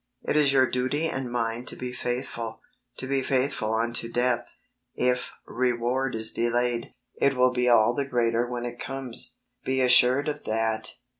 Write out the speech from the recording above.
It is your duty and mine to be faithful, to be faithful unto death. If reward is delayed, it will be all the greater when it comes, be assured of that.